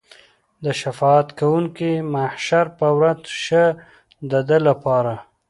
ته شفاعت کوونکی د محشر په ورځ شه د ده لپاره.